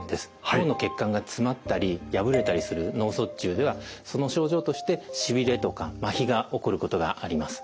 脳の血管が詰まったり破れたりする脳卒中ではその症状としてしびれとかまひが起こることがあります。